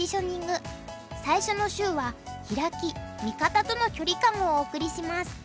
最初の週は「ヒラキ・味方との距離感」をお送りします。